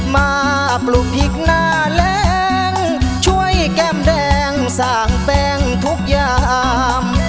มาปลูกพิกหน้าแหลงช่วยแก้มแดงสร้างแปลงทุกยาม